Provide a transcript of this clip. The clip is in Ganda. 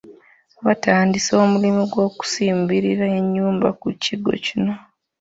Batandise omulimo gw’okubazimbira ennyumba ku kigo kino.